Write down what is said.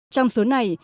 trong số này